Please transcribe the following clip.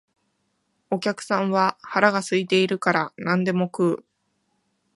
お客さんは腹が空いているから何でも食う